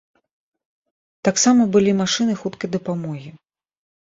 Таксама былі машыны хуткай дапамогі.